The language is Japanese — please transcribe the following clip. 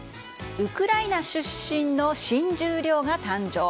ウクライナ出身の新十両が誕生。